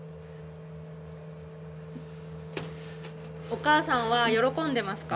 お母さんは喜んでますか？